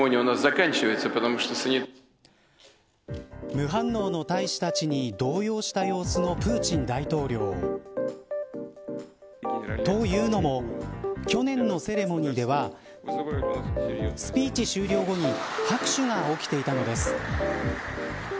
無反応の大使たちに動揺した様子のプーチン大統領。というのも去年のセレモニーではスピーチ終了後に拍手が起きていたのです。